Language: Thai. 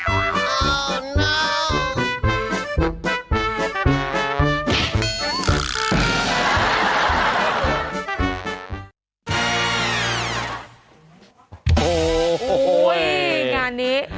โอ้นี่งานนี้